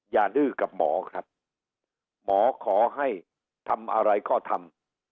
ดื้อกับหมอครับหมอขอให้ทำอะไรก็ทำ